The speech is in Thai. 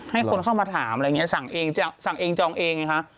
ให้คนเข้ามาถามอะไรอย่างนี้สั่งเองจองเองค่ะ